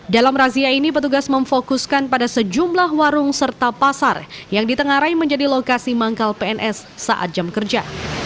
dalam razia ini petugas memfokuskan pada sejumlah warung serta pasar yang ditengarai menjadi lokasi manggal pns saat jam kerja